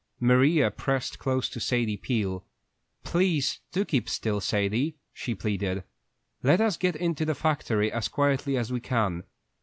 Maria pressed close to Sadie Peel. "Please do keep still, Sadie," she pleaded. "Let us get into the factory as quietly as we can.